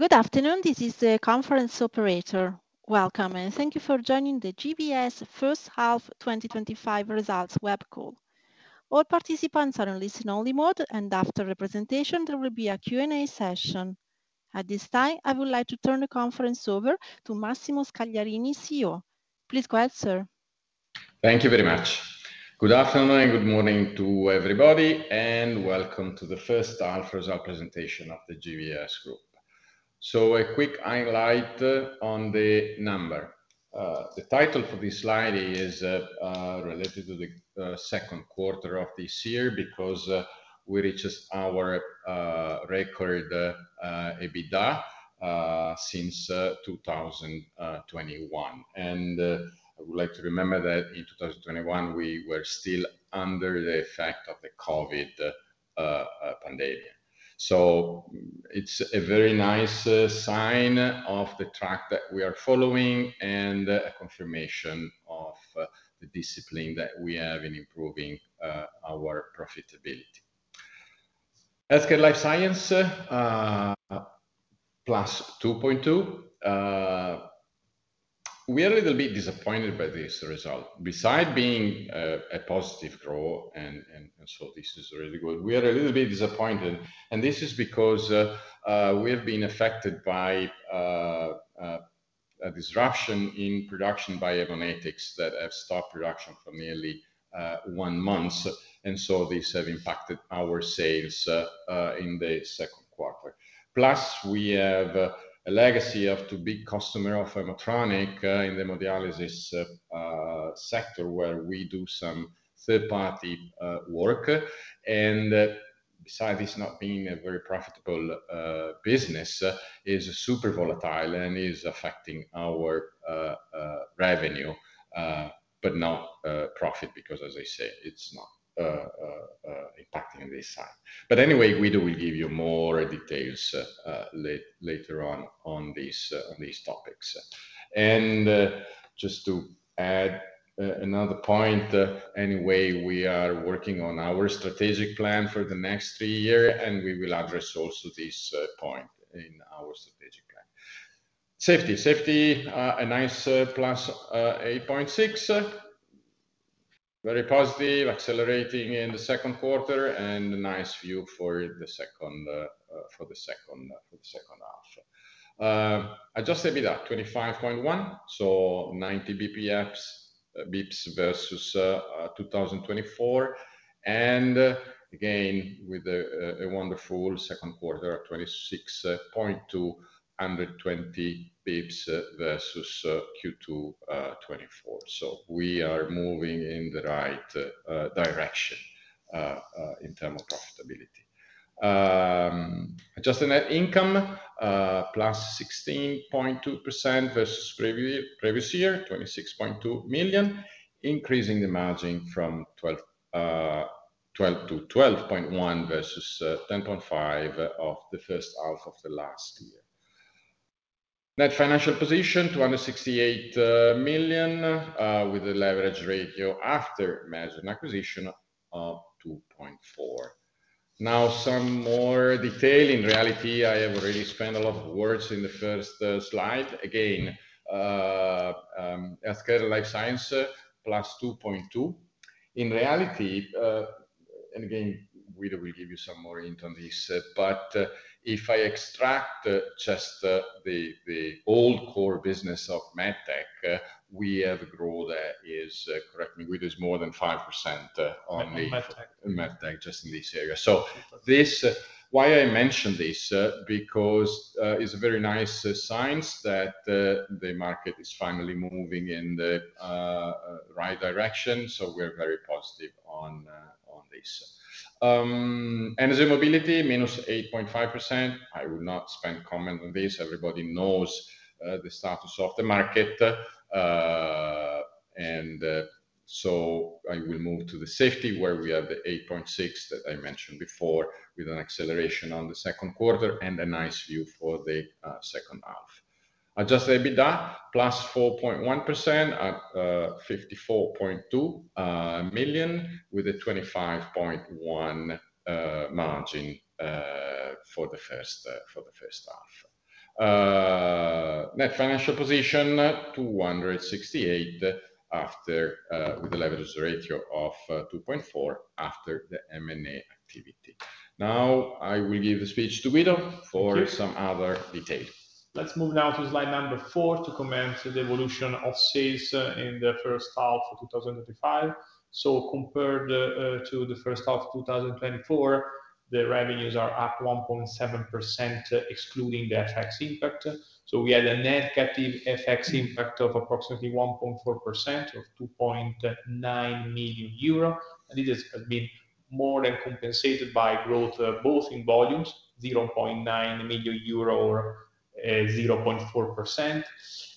Good afternoon. This is the Conference Operator. Welcome and thank you for joining the GVS First Half 2025 Results web call. All participants are in listen-only mode, and after the presentation, there will be a Q&A session. At this time, I would like to turn the conference over to Massimo Scagliarini, CEO. Please go ahead, sir. Thank you very much. Good afternoon and good morning to everybody, and welcome to the first half results presentation of the GVS Group. A quick highlight on the number. The title for this slide is related to the second quarter of this year because we reached our record EBITDA since 2021. I would like to remember that in 2021, we were still under the effect of the COVID pandemic. It's a very nice sign of the track that we are following and a confirmation of the discipline that we have in improving our profitability. Healthcare life science, +2.2%. We are a little bit disappointed by this result. Besides being a positive growth, and this is really good, we are a little bit disappointed. This is because we have been affected by a disruption in production by Haemonetics that has stopped production for nearly one month. This has impacted our sales in the second quarter. Plus, we have a legacy of two big customers of Haemotronic in the hemodialysis sector where we do some third-party work. Besides this not being a very profitable business, it is super volatile and is affecting our revenue, but not profit because, as I said, it's not impacting this side. Guido will give you more details later on these topics. Just to add another point, we are working on our strategic plan for the next three years, and we will address also this point in our strategic plan. Safety, a nice +8.6%. Very positive, accelerating in the second quarter, and a nice view for the second half. Adjusted EBITDA 25.1%, so 90 basis points versus 2024. Again, with a wonderful second quarter of 26.2%, 120 basis points versus Q2 2024. We are moving in the right direction in terms of profitability. Adjusted net income, +16.2% versus previous year, 26.2 million, increasing the margin from 12% to 12.1% versus 10.5% of the first half of last year. Net financial position, 268 million, with a leverage ratio after merger and acquisition of 2.4%. Now, some more detail. In reality, I have already spent a lot of words in the first slide. Again, healthcare life science +2.2%. In reality, and again, Guido will give you some more input on this, but if I extract just the old core business of MedTech, we have a growth that is, correct me, Guido, is more than 5% on the MedTech, just in this area. This, why I mentioned this, because it's a very nice sign that the market is finally moving in the right direction. We're very positive on this. Energy mobility, -8.5%. I will not spend comment on this. Everybody knows the status of the market. I will move to the Safety where we have the 8.6% that I mentioned before with an acceleration on the second quarter and a nice view for the second half. Adjusted EBITDA +4.1% at 54.2 million with a 25.1% margin for the first half. Net financial position 268 million with a leverage ratio of 2.4% after the M&A activity. Now, I will give the speech to Guido for some other details. Let's move now to slide number four to commence the evolution of sales in the first half of 2025. Compared to the first half of 2024, the revenues are up 1.7% excluding the FX impact. We had a net cutting FX impact of approximately 1.4% or 2.9 million euro, and it has been more than compensated by growth both in volumes, 0.9 million euro or 0.4%,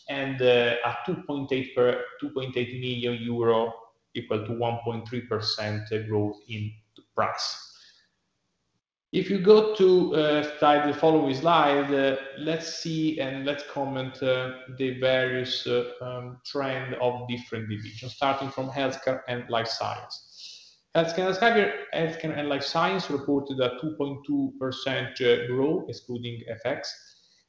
and at 2.8 million euro equal to 1.3% growth in price. If you go to the following slide, let's see and comment on the various trends of different divisions, starting from Healthcare and Life Science. Healthcare and Life Science reported a 2.2% growth excluding FX.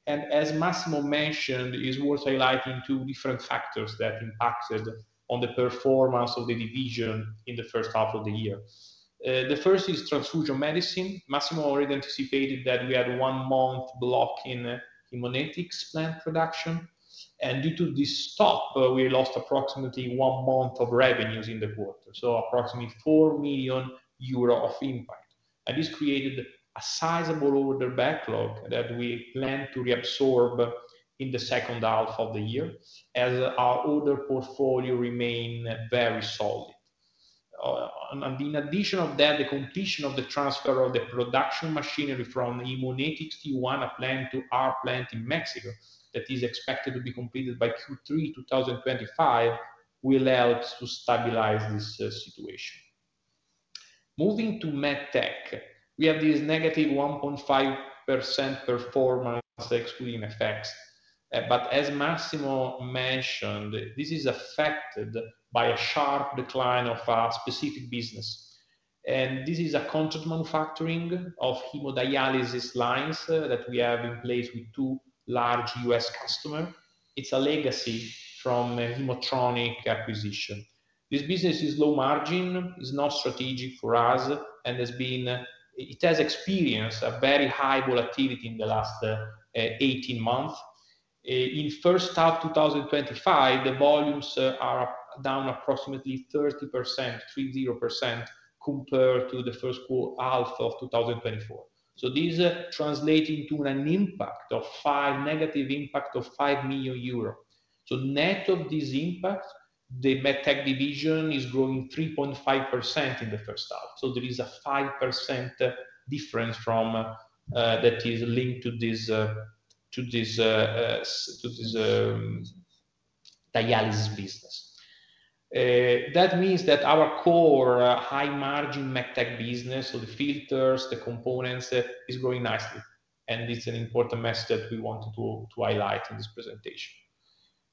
As Massimo mentioned, it is worth highlighting two different factors that impacted the performance of the division in the first half of the year. The first is transfusion medicine. Massimo already anticipated that we had a one-month block in Haemonetics plant production. Due to this stop, we lost approximately one month of revenues in the quarter, so approximately 4 million euro of impact. This created a sizable order backlog that we plan to reabsorb in the second half of the year as our order portfolio remains very solid. In addition to that, the completion of the transfer of the production machinery from Haemonetics Tijuana plant to our plant in Mexico that is expected to be completed by Q3 2025 will help to stabilize this situation. Moving to MedTech, we have this -1.5% performance excluding FX. As Massimo mentioned, this is affected by a sharp decline of our specific business. This is a contract manufacturing of hemodialysis lines that we have in place with two large U.S. customers. It's a legacy from a Haemotronic acquisition. This business is low margin, is not strategic for us, and has experienced a very high volatility in the last 18 months. In the first half of 2025, the volumes are down approximately 30% compared to the first half of 2024. This translates into a negative impact of 5 million euro. Net of these impacts, the MedTech division is growing 3.5% in the first half. There is a 5% difference that is linked to this dialysis business. That means that our core high-margin MedTech business, so the filters, the components, is growing nicely. It's an important message that we want to highlight in this presentation.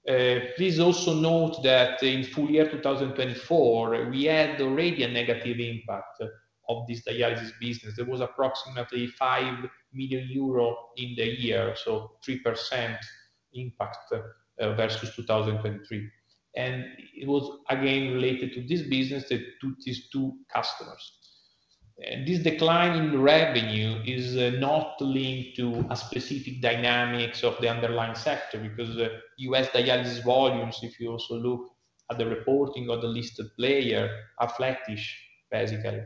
Please also note that in full year 2024, we had already a negative impact of this dialysis business. There was approximately 5 million euro in the year, so 3% impact versus 2023. It was again related to this business, to these two customers. This decline in revenue is not linked to a specific dynamics of the underlying sector because U.S. dialysis volumes, if you also look at the reporting of the listed players, are flattish, basically.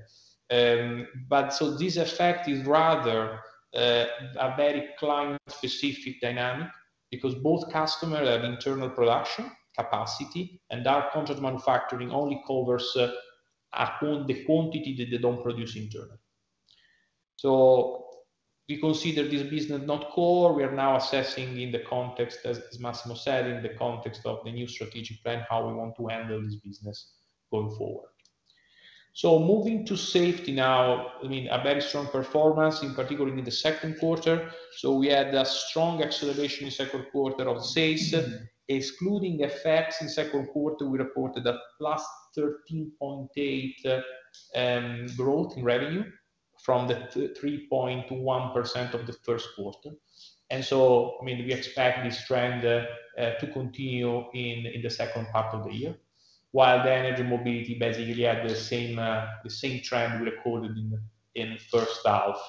This effect is rather a very client-specific dynamic because both customers have internal production capacity, and our contract manufacturing only covers the quantity that they don't produce internally. We consider this business not core. We are now assessing, as Massimo said, in the context of the new strategic plan, how we want to handle this business going forward. Moving to Safety now, a very strong performance, in particular in the second quarter. We had a strong acceleration in the second quarter of the sales. Excluding the effects in the second quarter, we reported a +13.8% growth in revenue from the 3.1% of the first quarter. We expect this trend to continue in the second part of the year, while the Energy & Mobility basically had the same trend we recorded in the first half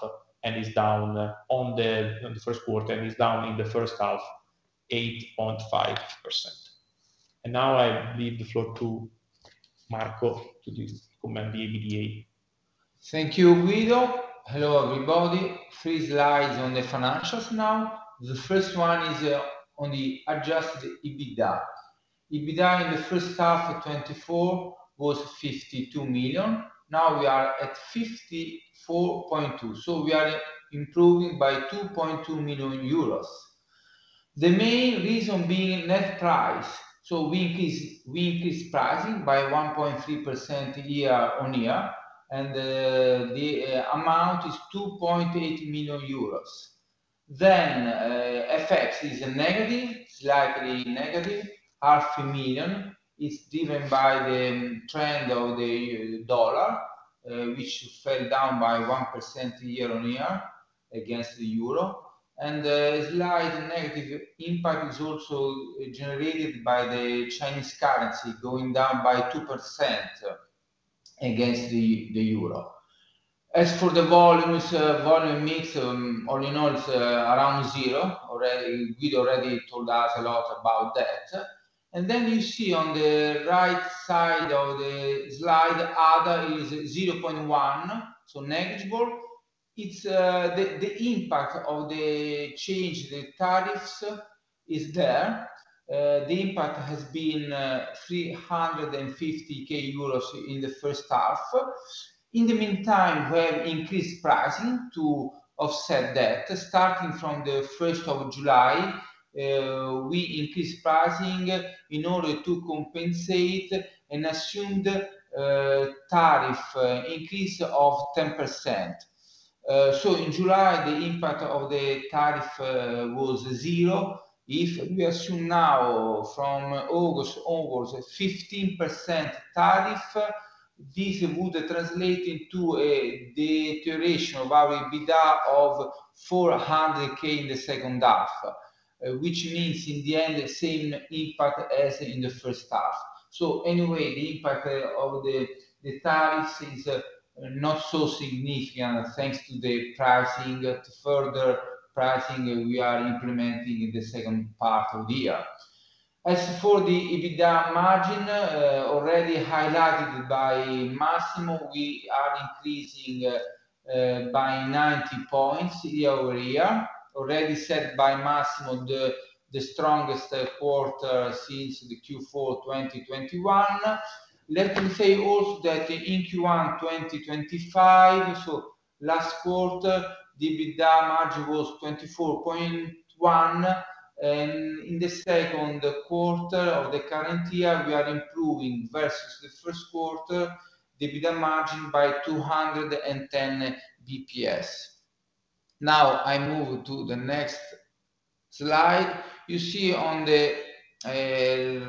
and is down on the first quarter and is down in the first half 8.5%. I now leave the floor to Marco to comment the EBITDA. Thank you, Guido. Hello, everybody. Three slides on the financials now. The first one is on the adjusted EBITDA. EBITDA in the first half of 2024 was 52 million. Now we are at 54.2 million. We are improving by 2.2 million euros. The main reason being net price. We increased pricing by 1.3% year-on-year, and the amount is 2.8 million euros. FX is negative, slightly negative, 0.5 million. It is driven by the trend of the dollar, which fell down by 1% year-on-year against the euro. A slight negative impact is also generated by the Chinese currency going down by 2% against the euro. As for the volumes, volume mix all in all is around zero. Guido already told us a lot about that. On the right side of the slide, other is 0.1 million, so negligible. The impact of the change in the tariffs is there. The impact has been 350,000 euros in the first half. In the meantime, we have increased pricing to offset that. Starting from 1st July we increased pricing in order to compensate an assumed tariff increase of 10%. In July, the impact of the tariff was zero. If we assume now from August, August, 15% tariff, this would translate into a deterioration of our EBITDA of 400,000 in the second half, which means in the end the same impact as in the first half. The impact of the tariffs is not so significant thanks to the further pricing we are implementing in the second part of the year. As for the EBITDA margin, already highlighted by Massimo, we are increasing by 90 basis points year-over-year, already set by Massimo, the strongest quarter since Q4 2021. Let me say also that in Q1 2025, so last quarter, the EBITDA margin was 24.1%. In the second quarter of the current year, we are improving versus the first quarter, the EBITDA margin by 210 basis points. Now I move to the next slide. On the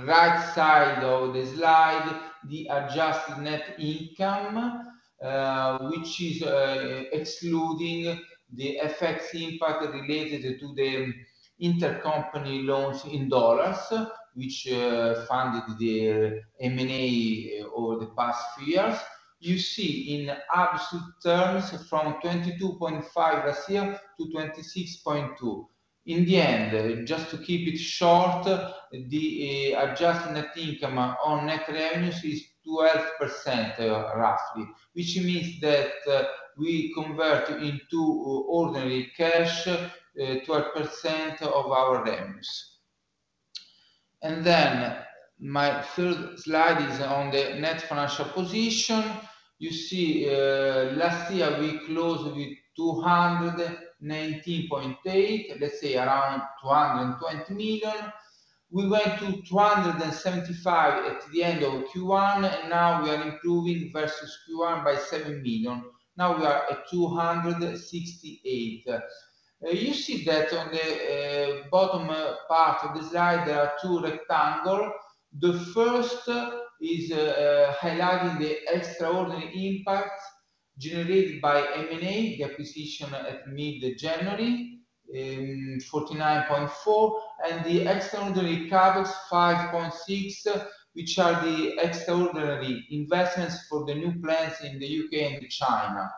right side of the slide, the adjusted net income, which is excluding the FX impact related to the intercompany loans in dollars, which funded the M&A activity over the past few years. In absolute terms from 22.5 million last year to 26.2 million. In the end, just to keep it short, the adjusted net income on net revenues is roughly 12%, which means that we convert into ordinary cash 12% of our revenues. My third slide is on the net financial position. Last year we closed with 219.8 million, let's say around 220 million. We went to 275 million at the end of Q1, and now we are improving versus Q1 by 7 million. Now we are at 268 million. You see that on the bottom part of the slide, there are two rectangles. The first is highlighting the extraordinary impact generated by M&A, the acquisition at mid-January, 49.4 million, and the extraordinary CapEx 5.6 million, which are the extraordinary investments for the new plants in the U.K. and China.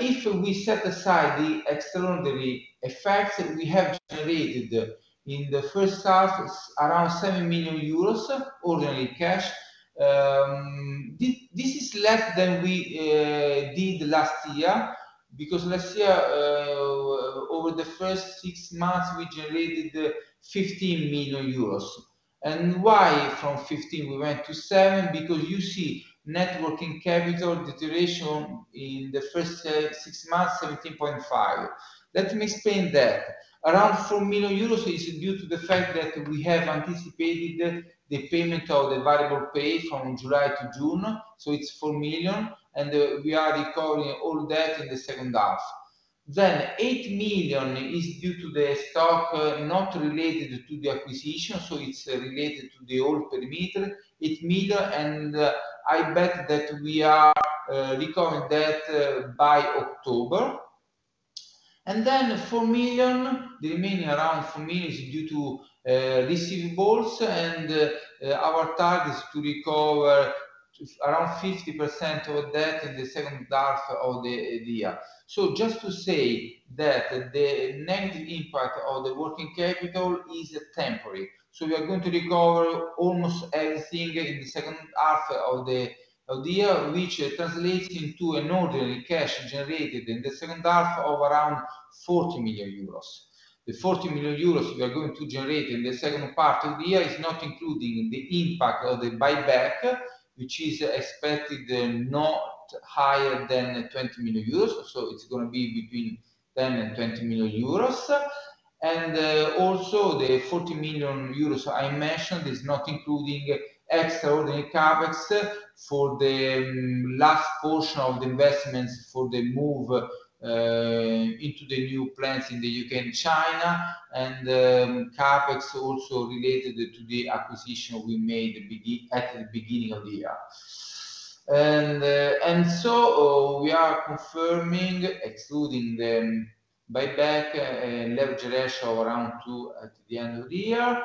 If we set aside the extraordinary effects that we have generated in the first half, around 7 million euros ordinary cash, this is less than we did last year because last year, over the first six months, we generated 15 million euros. Why from 15 million we went to 7 million? You see net working capital deterioration in the first six months, 17.5 million. Let me explain that. Around 4 million euros is due to the fact that we have anticipated the payment of the variable pay from July to June. So it's 4 million, and we are recovering all that in the second half. 8 million is due to the stock not related to the acquisition. It's related to the old perimeter, EUR 8 million, and I bet that we are recovering that by October. The remaining around 4 million is due to receivables, and our target is to recover around 50% of that in the second half of the year. Just to say that the negative impact of the working capital is temporary. We are going to recover almost everything in the second half of the year, which translates into an ordinary cash generated in the second half of around 40 million euros. The 40 million euros we are going to generate in the second part of the year is not including the impact of the buyback, which is expected not higher than 20 million euros. It's going to be between 10 million and 20 million euros. The 40 million euros I mentioned is not including extraordinary CapEx for the last portion of the investments for the move into the new plants in the U.K. and China, and CapEx also related to the acquisition we made at the beginning of the year. We are confirming, excluding the buyback, a leverage ratio of around 2 at the end of the year.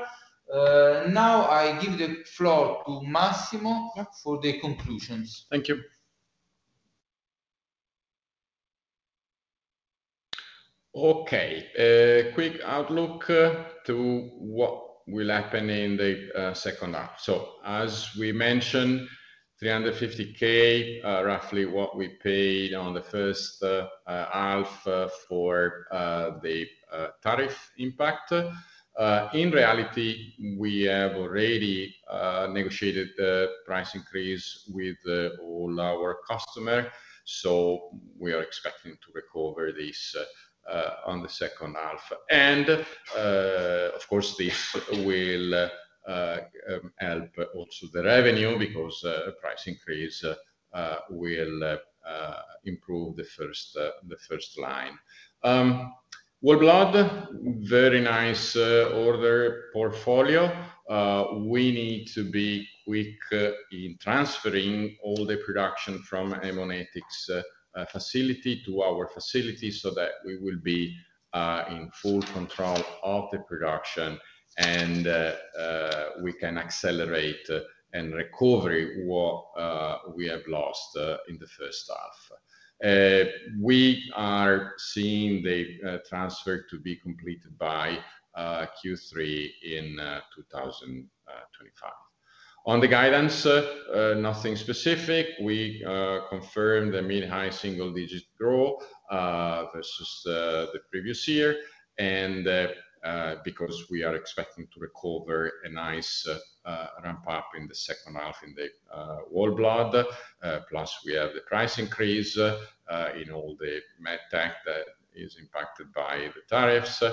Now I give the floor to Massimo for the conclusions. Thank you. Okay. A quick outlook to what will happen in the second half. As we mentioned, 350,000, roughly what we paid in the first half for the tariff impact. In reality, we have already negotiated the price increase with all our customers. We are expecting to recover this in the second half. This will also help the revenue because a price increase will improve the first line. Whole Blood, very nice order portfolio. We need to be quick in transferring all the production from Haemonetics facility to our facility so that we will be in full control of the production and we can accelerate and recover what we have lost in the first half. We are seeing the transfer to be completed by Q3 in 2025. On the guidance, nothing specific. We confirm the mid-high single-digit growth versus the previous year because we are expecting to recover a nice ramp-up in the second half in the Whole Blood, plus we have the price increase in all the MedTech that is impacted by the tariffs.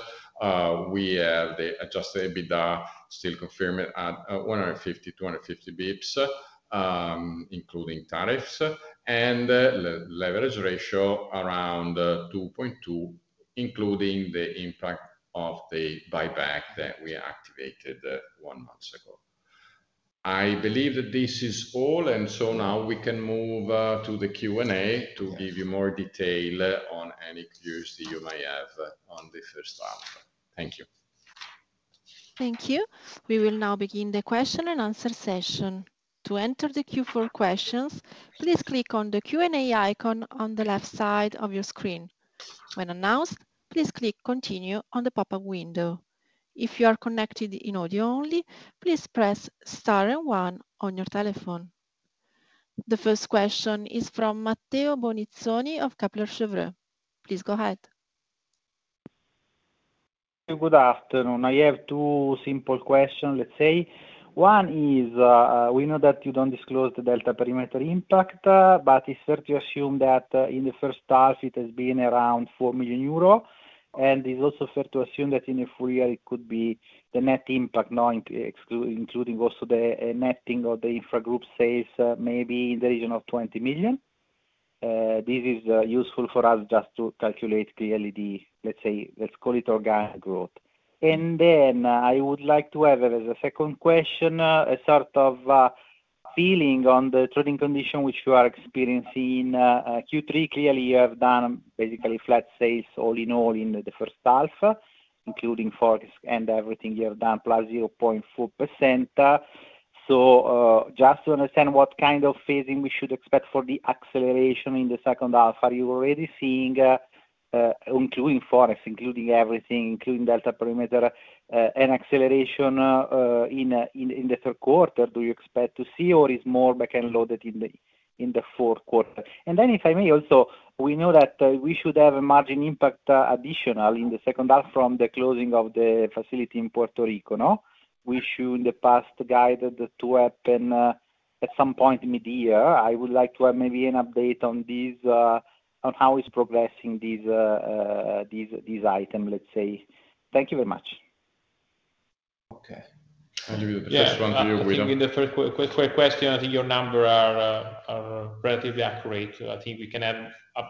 We have the adjusted EBITDA still confirmed at 150-250 basis points, including tariffs, and the leverage ratio around 2.2%, including the impact of the buyback that we activated one month ago. I believe that this is all, and now we can move to the Q&A to give you more detail on any questions you might have on the first half. Thank you. Thank you. We will now begin the question and answer session. To enter the Q4 questions, please click on the Q&A icon on the left side of your screen. When announced, please click continue on the pop-up window. If you are connected in audio only, please press star and one on your telephone. The first question is from Matteo Bonizzoni of Kepler Cheuvreux. Please go ahead. Good afternoon. I have two simple questions, let's say. One is, we know that you don't disclose the delta perimeter impact, but it's fair to assume that in the first half it has been around 4 million euro. It's also fair to assume that in the full year it could be the net impact, including also the netting of the intra group sales, maybe in the region of 20 million. This is useful for us just to calculate clearly the, let's say, let's call it organic growth. I would like to have as a second question a sort of feeling on the trading condition which you are experiencing in Q3. Clearly, you have done basically flat sales all in all in the first half, including forex and everything you have done, +0.4%. Just to understand what kind of phasing we should expect for the acceleration in the second half. Are you already seeing, including forex, including everything, including delta perimeter, an acceleration in the third quarter? Do you expect to see, or is it more back-end loaded in the fourth quarter? If I may also, we know that we should have a margin impact additional in the second half from the closing of the facility in Puerto Rico. We should, in the past, guide the two-up and at some point mid-year. I would like to have maybe an update on this, on how it's progressing, these items, let's say. Thank you very much. Okay, I'll leave it with the first one. Just in the first quick question, I think your numbers are relatively accurate. I think we can add a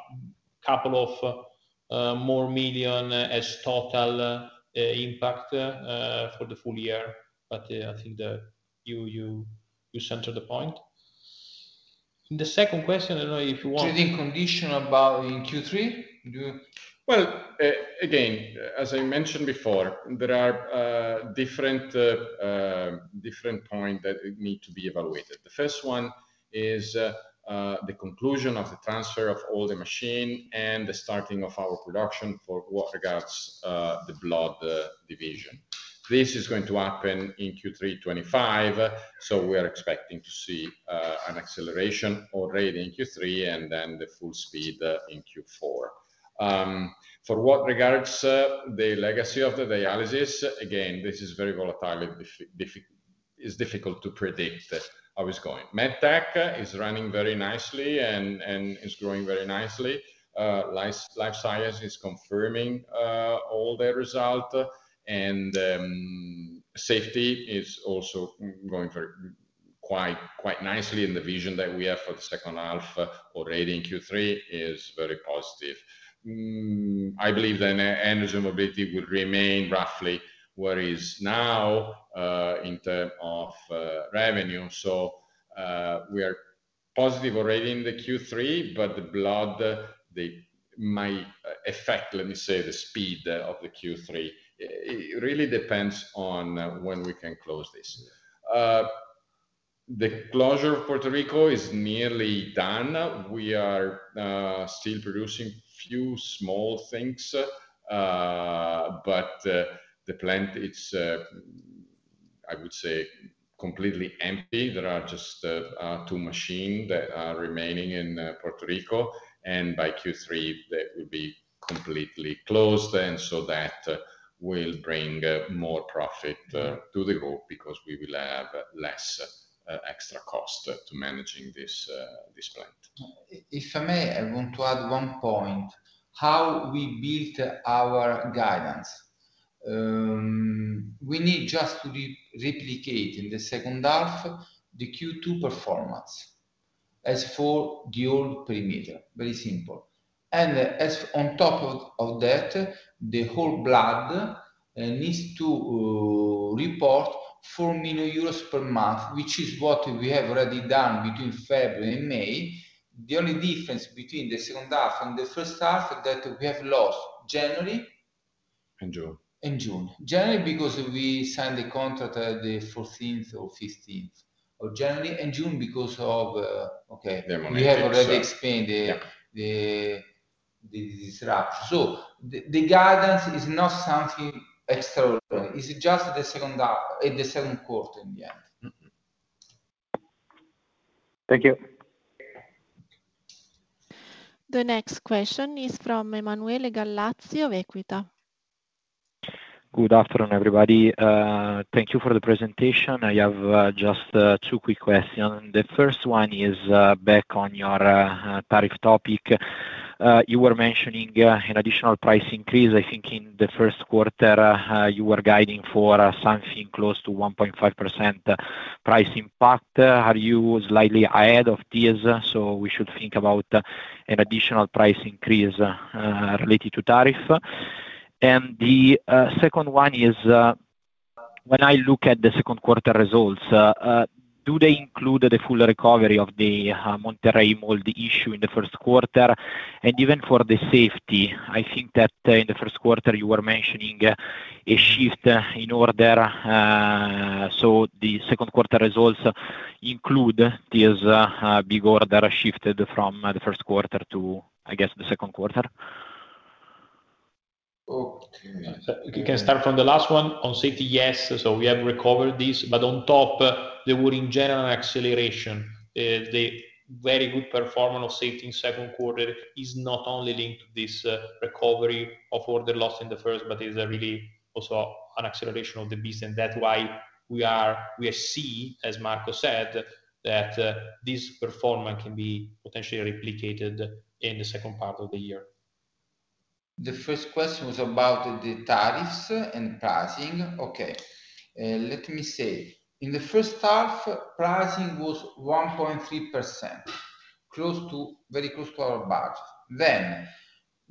couple of more million as total impact for the full year. I think that you centered the point. In the second question, I don't know if you want. Trading condition about in Q3? Do you? As I mentioned before, there are different points that need to be evaluated. The first one is the conclusion of the transfer of all the machines and the starting of our production for what regards the blood division. This is going to happen in Q3 2025. We're expecting to see an acceleration already in Q3 and then full speed in Q4. For what regards the legacy of the dialysis, this is very volatile. It's difficult to predict how it's going. MedTech is running very nicely and is growing very nicely. Life Science is confirming all the results. Safety is also going quite nicely. The vision that we have for the second half already in Q3 is very positive. I believe that Energy & Mobility will remain roughly where it is now in terms of revenue. We are positive already in Q3, but the blood, they might affect, let me say, the speed of Q3. It really depends on when we can close this. The closure of the Puerto Rico Facility is nearly done. We are still producing a few small things, but the plant, I would say, is completely empty. There are just two machines that are remaining in Puerto Rico. By Q3, that will be completely closed. That will bring more profit to the group because we will have less extra cost to managing this plant. If I may, I want to add one point. How we built our guidance. We need just to replicate in the second half the Q2 performance as for the old perimeter. Very simple. On top of that, the Whole Blood needs to report 4 million euros per month, which is what we have already done between February and May. The only difference between the second half and the first half is that we have lost January. And June. January because we signed the contract at the 14th or 15th of January. June because, okay, we have already explained the disruption. The guidance is not something external. It's just the second half, the second quarter in the end. Thank you. The next question is from Emanuele Gallazzi of Equita. Good afternoon, everybody. Thank you for the presentation. I have just two quick questions. The first one is back on your tariff topic. You were mentioning an additional price increase. I think in the first quarter, you were guiding for something close to 1.5% price impact. Are you slightly ahead of this? Should we think about an additional price increase related to tariff? The second one is, when I look at the second quarter results, do they include the full recovery of the Monterrey mold issue in the first quarter? Even for the Safety, I think that in the first quarter, you were mentioning a shift in order. Do the second quarter results include this big order shifted from the first quarter to, I guess, the second quarter? Okay. We can start from the last one. On Safety, yes. We have recovered this, but on top, there was in general acceleration. The very good performance of Safety in the second quarter is not only linked to this recovery of order loss in the first, but it is really also an acceleration of the business. That is why we see, as Marco said, that this performance can be potentially replicated in the second part of the year. The first question was about the tariffs and pricing. In the first half, pricing was 1.3%, very close to our budget.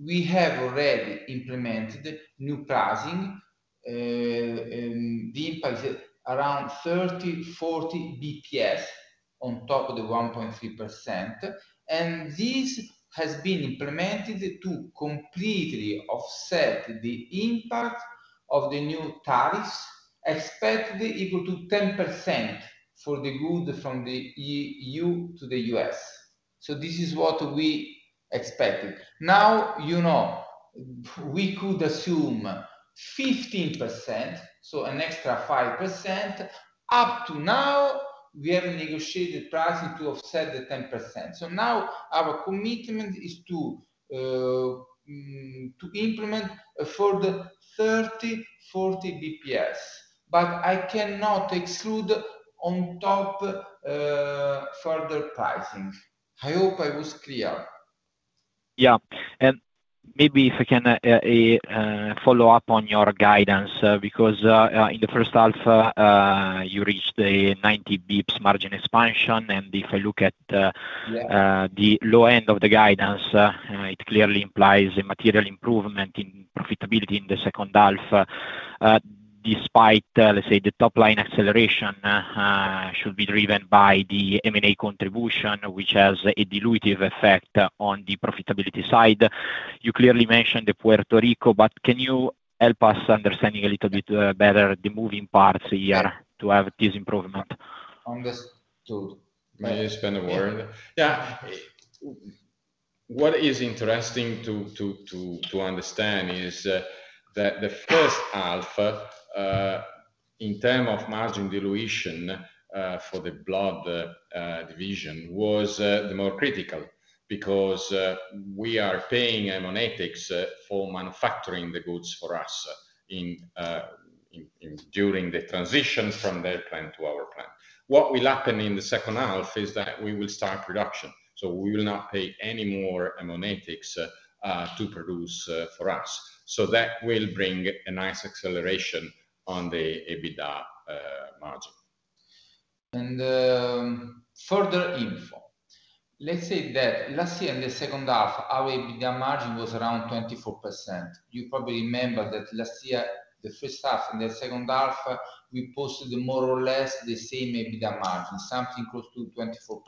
We have already implemented new pricing. The impact is around 30, 40 basis points on top of the 1.3%. This has been implemented to completely offset the impact of the new tariffs, expected equal to 10% for the goods from the EU to the U.S. This is what we expected. Now, you know we could assume 15%, so an extra 5%. Up to now, we have negotiated pricing to offset the 10%. Our commitment is to implement a further 30, 40 basis points. I cannot exclude on top further pricing. I hope I was clear. Yeah. Maybe if I can follow up on your guidance because in the first half, you reached the 90 basis points margin expansion. If I look at the low end of the guidance, it clearly implies a material improvement in profitability in the second half, despite, let's say, the top line acceleration should be driven by the M&A contribution, which has a dilutive effect on the profitability side. You clearly mentioned the Puerto Rico, but can you help us understanding a little bit better the moving parts here to have this improvement? Understood. May I spend a word? What is interesting to understand is that the first half, in terms of margin dilution for the blood division, was the more critical because we are paying Haemonetics for manufacturing the goods for us during the transition from their plant to our plant. What will happen in the second half is that we will start production. We will not pay any more Haemonetics to produce for us. That will bring a nice acceleration on the EBITDA margin. Further info, let's say that last year in the second half, our EBITDA margin was around 24%. You probably remember that last year, the first half and the second half, we posted more or less the same EBITDA margin, something close to 24%.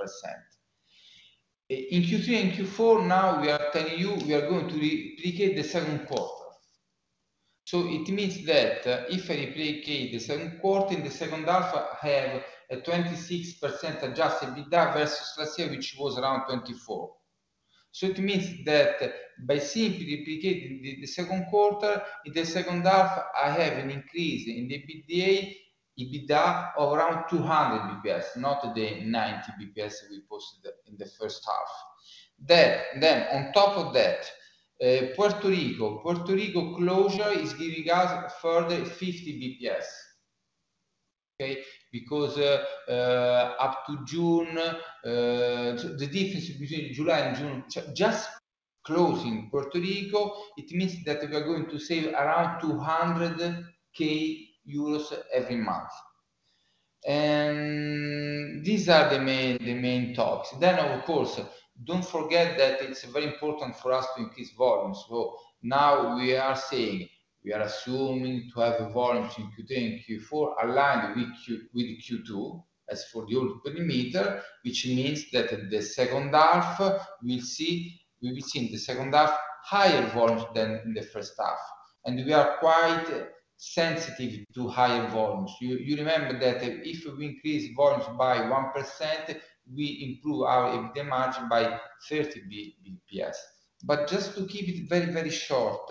In Q3 and Q4, now we are telling you we are going to replicate the second quarter. It means that if I replicate the second quarter in the second half, I have a 26% adjusted EBITDA versus last year, which was around 24%. It means that by simply replicating the second quarter in the second half, I have an increase in the EBITDA of around 200 basis points not the 90 basis points that we posted in the first half. On top of that, Puerto Rico closure is giving us further 50 basis points. Up to June, the difference between July and June, just closing Puerto Rico, it means that we are going to save around 200,000 euros every month. These are the main topics. Of course, don't forget that it's very important for us to increase volumes. Now we are saying we are assuming to have volumes in Q3 and Q4 aligned with Q2 as for the old perimeter, which means that in the second half, we'll be seeing the second half higher volumes than in the first half. We are quite sensitive to higher volumes. You remember that if we increase volumes by 1%, we improve our EBITDA margin by 30 basis points Just to keep it very, very short,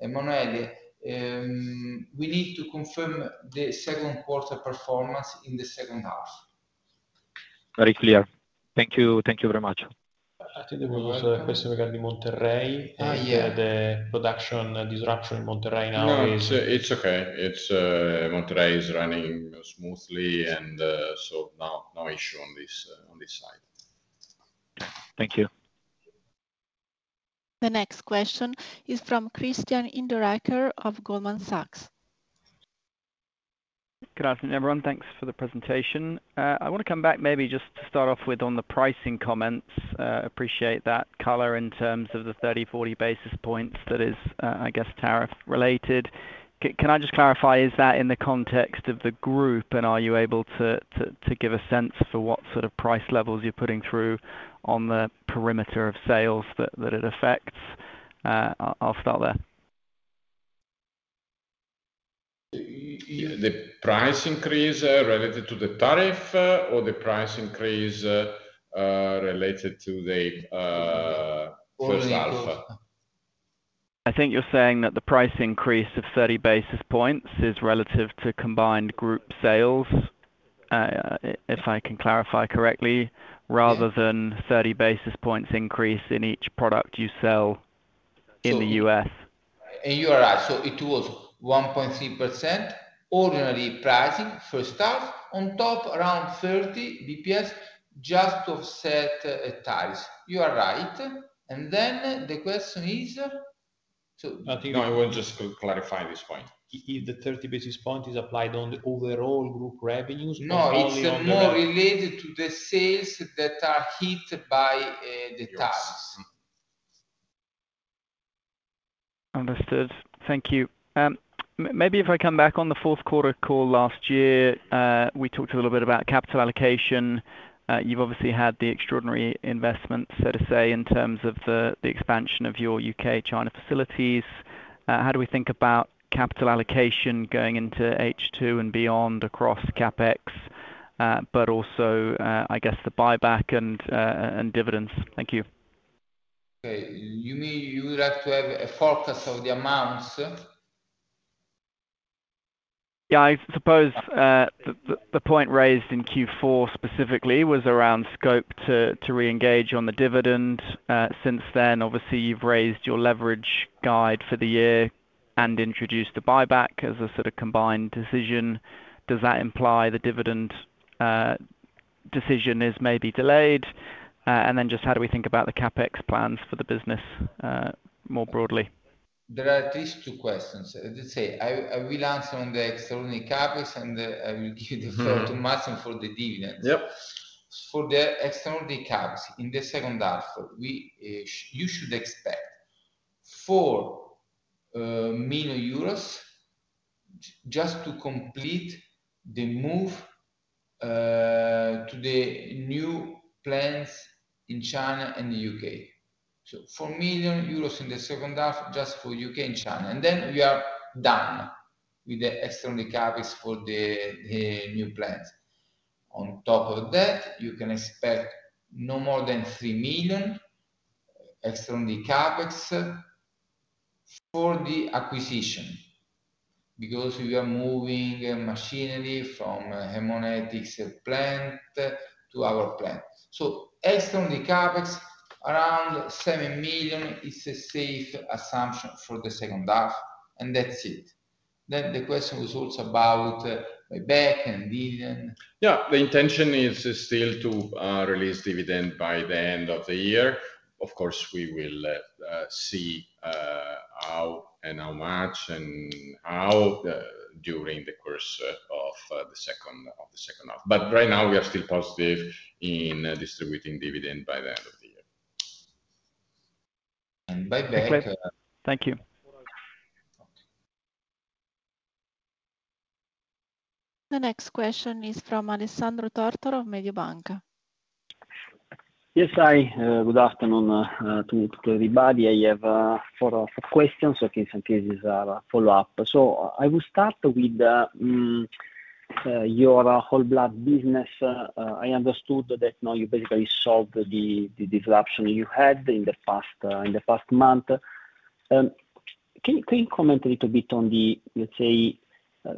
Emanuele, we need to confirm the second quarter performance in the second half. Very clear. Thank you. Thank you very much. I think there was a question regarding Monterrey. yes. The production disruption in Monterrey now is. No, it's okay. Monterrey is running smoothly, and so no issue on this slide. Thank you. The next question is from Christian Hinderaker of Goldman Sachs. Thanks everyone. Thanks for the presentation. I want to come back maybe just to start off with on the pricing comments. Appreciate that color in terms of the 30, 40 basis points that is, I guess, tariff-related. Can I just clarify, is that in the context of the group, and are you able to give a sense for what sort of price levels you're putting through on the perimeter of sales that it affects? I'll start there. The price increase related to the tariff or the price increase related to the first half? I think you're saying that the price increase of 30 basis points is relative to combined group sales, if I can clarify correctly, rather than 30 basis points increase in each product you sell in the U.S. You are right. It was 1.3% ordinary pricing first half on top, around 30 basis points just to offset tariffs. You are right. The question is, so. I want to just clarify this point. The 30 basis points is applied on the overall group revenues. No, it's applied on the. More related to the sales that are hit by the tariff impacts. Understood. Thank you. Maybe if I come back on the fourth quarter call last year, we talked a little bit about capital allocation. You've obviously had the extraordinary investments, so to say, in terms of the expansion of your U.K. China facilities. How do we think about capital allocation going into H2 and beyond across CapEx, but also, I guess, the buyback and dividends? Thank you. Okay. You mean you would have to have a forecast of the amounts? Yeah, I suppose the point raised in Q4 specifically was around scope to re-engage on the dividend. Since then, obviously, you've raised your leverage guide for the year and introduced the buyback as a sort of combined decision. Does that imply the dividend decision is maybe delayed? Just how do we think about the CapEx plans for the business more broadly? There are at least two questions. I will answer on the external CapEx, and I will give you the first one for the dividends. For the external CapEx in the second half, you should expect 4 million euros just to complete the move to the new plants in China and the U.K. 4 million euros in the second half just for U.K. and China, and then we are done with the external CapEx for the new plants. On top of that, you can expect no more than 3 million external CapEx for the acquisition because we are moving machinery from Haemonetics plant to our plant. External CapEx around 7 million is a safe assumption for the second half. That's it. The question was also about buyback and dividend. Yeah, the intention is still to release dividend by the end of the year. Of course, we will see how and how much and how during the course of the second half. Right now, we are still positive in distributing dividend by the end of the year. And buyback. Thank you. The next question is from Alessandro Tortora of Mediobanca. Yes, hi. Good afternoon to everybody. I have four or five questions. I think some cases are a follow-up. I will start with your Whole Blood business. I understood that now you basically solved the disruption you had in the past month. Can you comment a little bit on the, let's say,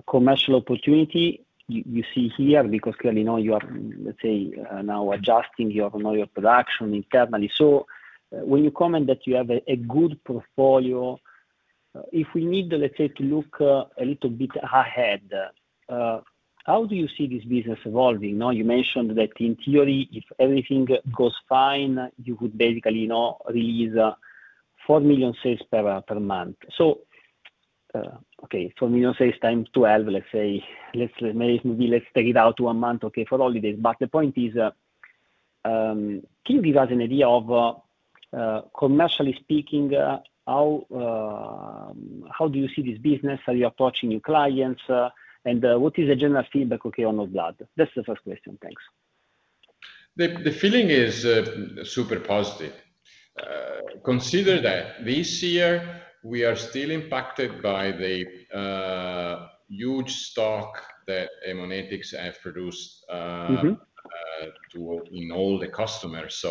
commercial opportunity you see here? Clearly, now you are, let's say, now adjusting your production internally. When you comment that you have a good portfolio, if we need, let's say, to look a little bit ahead, how do you see this business evolving? You mentioned that in theory, if everything goes fine, you could basically now release 4 million sales per month. 4 million sales times 12, let's say. Let's maybe take it out to a month, for holidays. The point is, can you give us an idea of, commercially speaking, how do you see this business? Are you approaching new clients? What is the general feedback on Whole Blood? That's the first question. Thanks. The feeling is super positive. Consider that this year, we are still impacted by the huge stock that Haemonetics has produced in all the customers.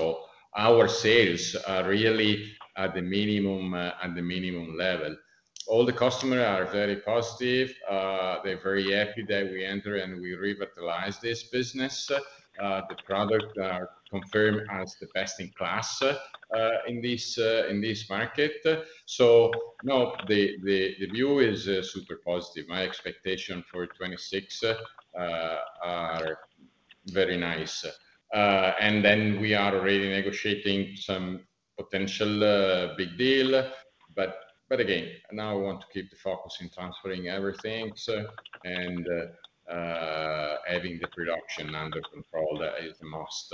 Our sales are really at the minimum level. All the customers are very positive. They're very happy that we enter and we revitalize this business. The products are confirmed as the best in class in this market. The view is super positive. My expectation for 2026 are very nice. We are already negotiating some potential big deal. We want to keep the focus in transferring everything and having the production under control. That is the most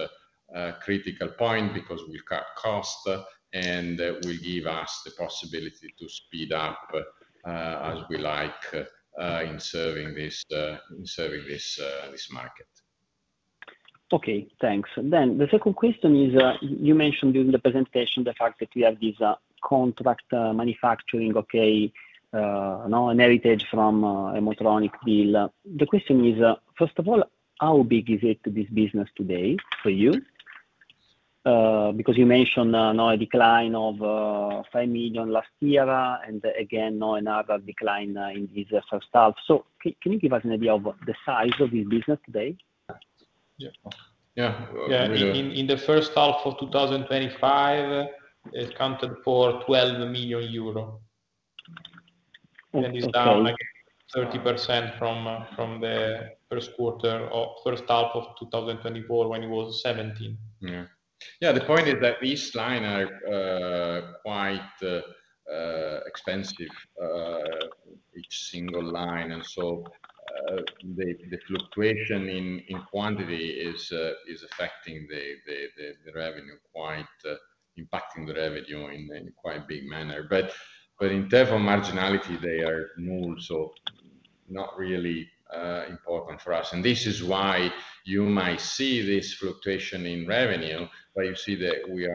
critical point because we've cut costs and will give us the possibility to speed up as we like in serving this market. Okay, thanks. The second question is, you mentioned during the presentation the fact that we have this contract manufacturing, now a heritage from Haemotronic deal. The question is, first of all, how big is this business today for you? You mentioned a decline of 5 million last year and again now another decline in this first half. Can you give us an idea of the size of this business today? Yeah. In the first half of 2025, it's counted for 12 million euro, and it's down like 30% from the first quarter or first half of 2024 when it was 17 million. Yeah, the point is that these lines are quite expensive, each single line, and the fluctuation in quantity is affecting the revenue, quite impacting the revenue in a quite big manner. In terms of marginality, they are null, so not really important for us. This is why you might see this fluctuation in revenue, but you see that we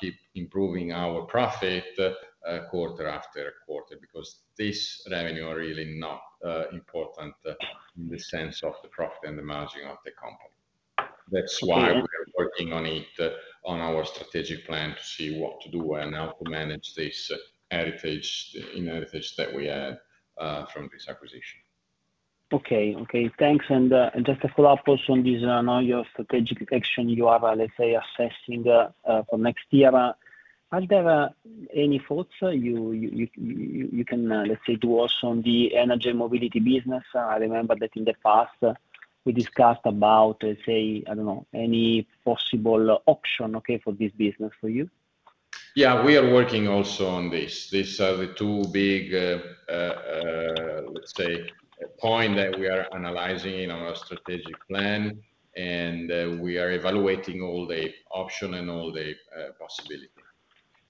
keep improving our profit quarter after quarter because these revenues are really not important in the sense of the profit and the margin of the company. That's why we're working on it in our strategic plan to see what to do and how to manage this inheritance that we had from this acquisition. Okay. Thanks. Just a follow-up also on this, your strategic action you are, let's say, assessing for next year. Are there any thoughts you can, let's say, do also on the energy mobility business? I remember that in the past, we discussed about, let's say, I don't know, any possible option, okay, for this business for you? Yeah, we are working also on this. These are the two big points that we are analyzing in our strategic plan. We are evaluating all the options and all the possibilities.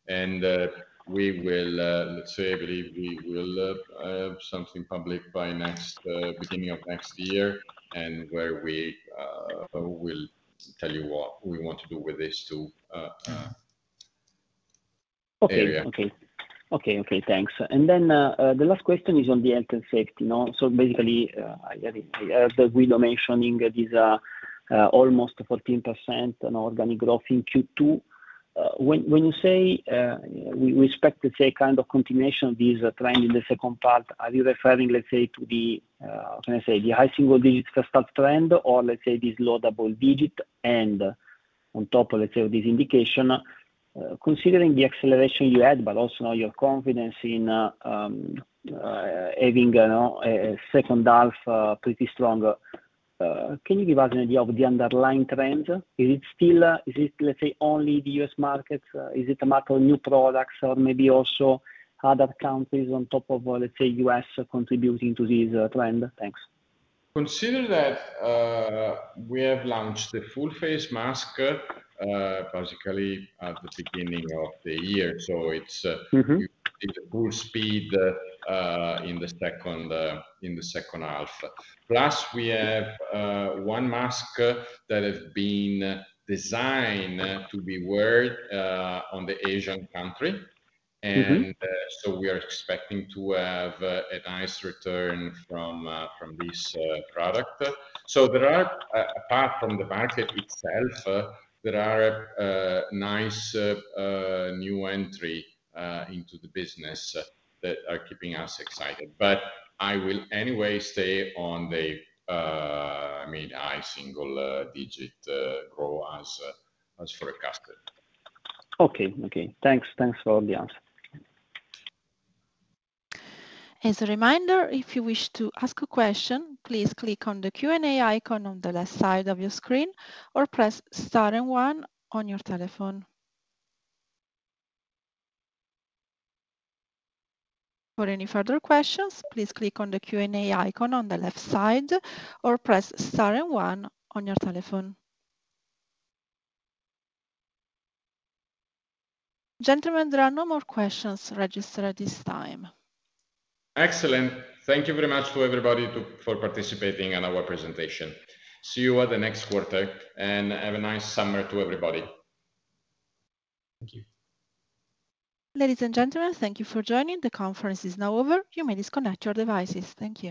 I believe we will have something published by the beginning of next year, where we will tell you what we want to do with this too. Okay. Thanks. The last question is on the health effect. As Guido mentioned, this is almost 14% organic growth in Q2. When you say you expect, let's say, a kind of continuation of this trend in the second part, are you referring to the high single-digit first half trend or this low double-digit, and on top of this indication? Considering the acceleration you had, but also now your confidence in having a second half pretty strong, can you give us an idea of the underlying trends? Is it still only the U.S. market? Is it a matter of new products or maybe also other countries on top of the U.S. contributing to this trend? Thanks. Consider that we have launched the full-face mask basically at the beginning of the year. It's full speed in the second half. Plus, we have one mask that has been designed to be worn in the Asian country, and we are expecting to have a nice return from this product. Apart from the budget itself, there are nice new entries into the business that are keeping us excited. I will anyway stay on the high single-digit growth as forecasted. Okay. Thanks for all the answers. As a reminder, if you wish to ask a question, please click on the Q&A icon on the left side of your screen or press star and one on your telephone. For any further questions, please click on the Q&A icon on the left side or press star and one on your telephone. Gentlemen, there are no more questions registered at this time. Excellent. Thank you very much to everybody for participating in our presentation. See you at the next quarter and have a nice summer to everybody. Thank you. Ladies and gentlemen, thank you for joining. The conference is now over. You may disconnect your devices. Thank you.